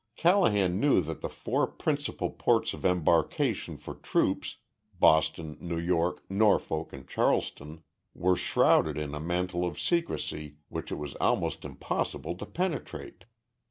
Callahan knew that the four principal ports of embarkation for troops Boston, New York, Norfolk, and Charleston were shrouded in a mantle of secrecy which it was almost impossible to penetrate.